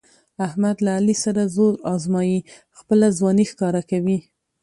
احمد له علي سره زور ازمیي، خپله ځواني ښکاره کوي.